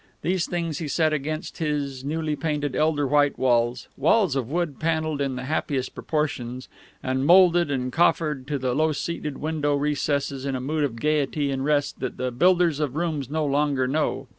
These things he set against his newly painted elder white walls walls of wood panelled in the happiest proportions, and moulded and coffered to the low seated window recesses in a mood of gaiety and rest that the builders of rooms no longer know.